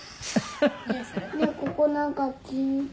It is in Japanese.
ここなんか」